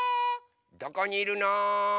どこにいるの？